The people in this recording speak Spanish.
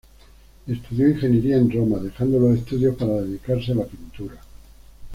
Estudió ingeniería en Roma, dejando los estudios para dedicarse a la pintura.